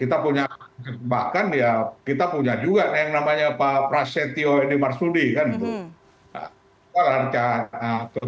kita punya bahkan ya kita punya juga yang namanya pak prasetyo edi marsudi kan